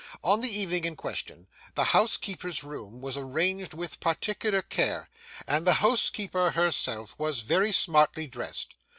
On the evening in question, the housekeeper's room was arranged with particular care, and the housekeeper herself was very smartly dressed.